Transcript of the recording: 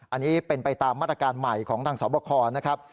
อันนี้เป็นไปตามมาตรการใหม่ของทางสอบคอนะครับ